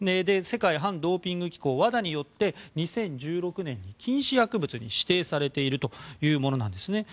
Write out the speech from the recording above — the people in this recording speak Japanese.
世界反ドーピング機構ＷＡＤＡによって２０１６年に禁止薬物に指定されているというものです。